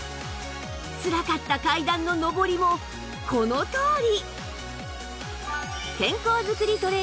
つらかった階段の上りもこのとおり